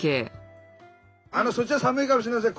あのそっちは寒いかもしれません。